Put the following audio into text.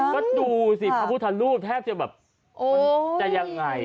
ก็ดูสิพระพุทธรูปแทบจะแบบมันจะยังไง